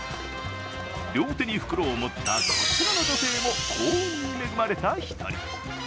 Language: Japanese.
両手に袋を持ったこちらの女性も、幸運に恵まれた一人。